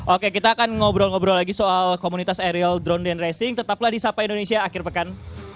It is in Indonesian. oke kita akan ngobrol ngobrol lagi soal komunitas ariel drone dan racing tetaplah di sapa indonesia akhir pekan